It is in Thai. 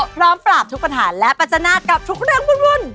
พร้อมปราบทุกปัญหาและปัจจนากับทุกเรื่องวุ่น